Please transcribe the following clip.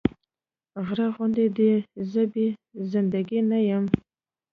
غره غوندې دې زه بې زنده ګي نه يم